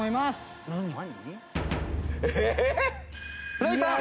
フライパン！